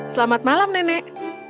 selamat malam nenek